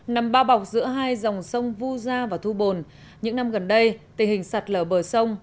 nằm bao bọc giữa hai dòng sông vu gia và thu bồn những năm gần đây tình hình sạt lở bờ sông